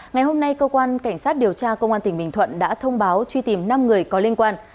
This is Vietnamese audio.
ngày hôm nay cơ quan cảnh sát điều tra công an tỉnh bình thuận đã thông báo truy tìm năm người có liên quan